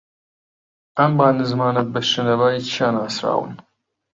ئەم با نزمانە بە شنەبای چیا ناسراون